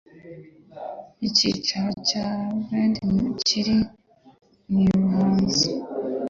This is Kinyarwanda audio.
icyicaro cya rbd kiri i muhazi